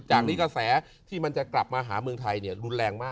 จากนี้กระแสที่มันจะกลับมาหาเมืองไทยรุนแรงมาก